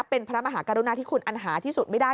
เป็นพระมหากรุณาที่คุณอันหาที่สุดไม่ได้